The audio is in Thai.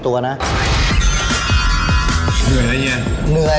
แบบแบบแบบ